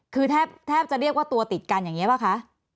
คือแทบจะเรียกว่าตัวติดกันอย่างนี้ป่ะคะ